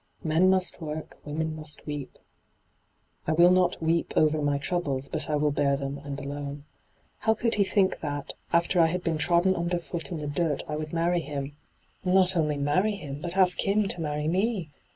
'"Men must work, women must weep." I will not " weep " over my troubles, but I will bear them, and alone. How could he think that, after I had been trodden underfoot in the dirt, I would marry him — not only marry him, but ask him to marry me